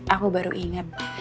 aku baru ingat